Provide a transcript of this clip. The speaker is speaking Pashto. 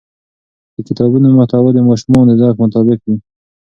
د کتابونو محتوا د ماشومانو د ذوق مطابق وي.